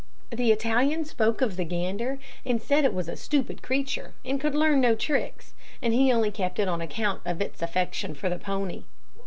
"The Italian spoke of the gander, and said it was a stupid creature, and could learn no tricks, and he only kept it on account of its affection for the pony.